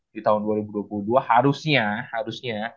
di tahun dua ribu dua puluh dua harusnya harusnya